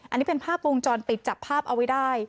อันนี้เป็นภาพวงจรปิดจับภาพเอาไว้ได้